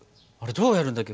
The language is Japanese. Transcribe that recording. どうやるんだっけ？